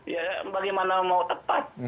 ya bagaimana mau tepat